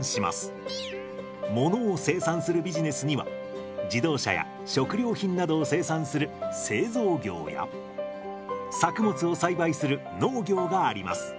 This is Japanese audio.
ものを生産するビジネスには自動車や食料品などを生産する製造業や作物を栽培する農業があります。